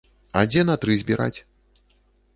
А дзе на тры збіраць?